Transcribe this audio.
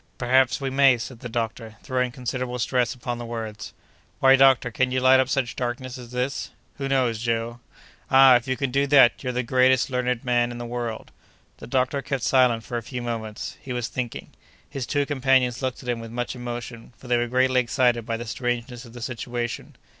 "Perhaps we may," said the doctor, throwing considerable stress upon the words. "Why, doctor, can you light up such darkness as this?" "Who knows, Joe?" "Ah! if you can do that, you're the greatest learned man in the world!" The doctor kept silent for a few moments; he was thinking. His two companions looked at him with much emotion, for they were greatly excited by the strangeness of the situation.